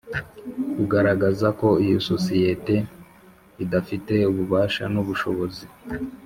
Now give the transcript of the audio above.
Kugaragazako iyo sosiyete idafite ububasha n’ubushobozi